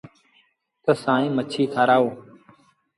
تا سائيٚݩ مڇي کآرآئو۔